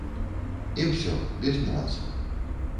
І ўсё, без нюансаў.